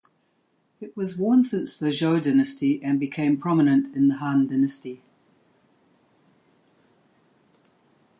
It was worn since the Zhou dynasty and became prominent in the Han dynasty.